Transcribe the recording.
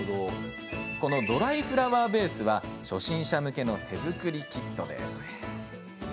このドライフラワーベースは初心者向けの手作りキットです。